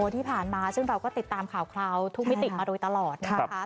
ที่ผ่านมาซึ่งเราก็ติดตามข่าวทุกมิติมาโดยตลอดนะคะ